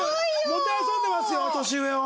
もてあそんでますよ年上を！